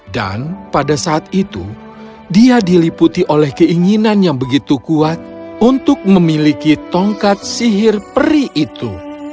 dan pada saat itu dia diliputi oleh keinginan yang begitu kuat untuk memiliki tongkat sihir peri itu